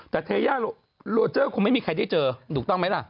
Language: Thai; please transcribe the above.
แต่เทยาโลเจอร์คงไม่มีใครได้เจอถูกต้องไหมล่ะ